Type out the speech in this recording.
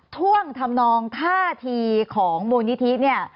ท่วงทำนองท่าทีของมูลนิธิเนี่ย